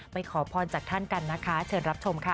ขอพรจากท่านกันนะคะเชิญรับชมค่ะ